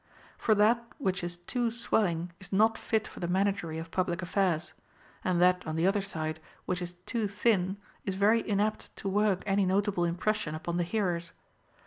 For that which is too swelling is not fit for the managery of public aff"airs ; and that, on the other side, which is too thin is very inapt to Avork any notable impression upon the hearers.